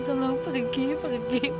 tolong pergi pergi